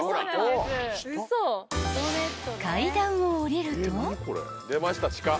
［階段を下りると］